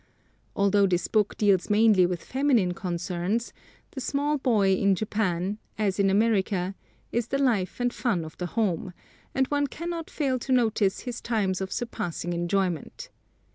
Although this book deals mainly with feminine concerns, the small boy in Japan, as in America, is the life and fun of the home, and one cannot fail to notice his times of surpassing enjoyment.